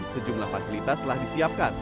sejumlah fasilitas telah disiapkan